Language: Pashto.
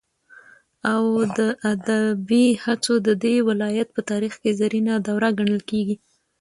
او د ادبي هڅو ددې ولايت په تاريخ كې زرينه دوره گڼل كېږي.